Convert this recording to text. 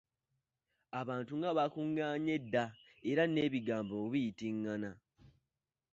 Abantu nga baakungaanye dda, era ng'ebigambo biyitingana.